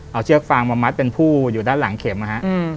เอาเชือกฟางมามัดเป็นผู้อยู่ด้านหลังเข็มนะฮะ